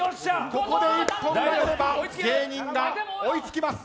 ここで１本取れば芸人が追いつきます。